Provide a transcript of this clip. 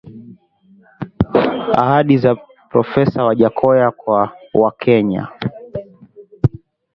Ahadi za Profesa Wajackoya kwa wakenya